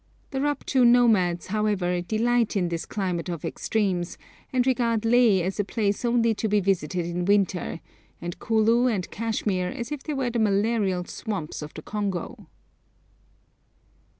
The Rupchu nomads, however, delight in this climate of extremes, and regard Leh as a place only to be visited in winter, and Kulu and Kashmir as if they were the malarial swamps of the Congo!